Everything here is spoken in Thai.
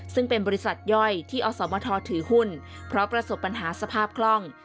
ซึ่งเป็นบริษัทย่อยที่อสมทถือหุ้นเพราะประสบปัญหาสภาพคล่อง